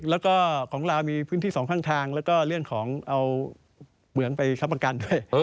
แล้วก็ของเรามีพื้นที่สองข้างทางแล้วก็เรื่องของเอาเหมืองไปค้ำประกันด้วย